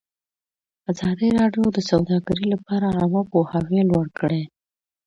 ازادي راډیو د سوداګري لپاره عامه پوهاوي لوړ کړی.